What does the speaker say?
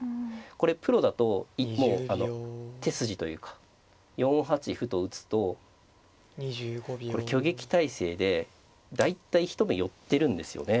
これプロだともうあの手筋というか４八歩と打つとこれ挟撃態勢で大体一目寄ってるんですよね。